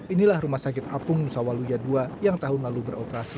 inilah rumah sakit apung nusa waluya ii yang tahun lalu beroperasi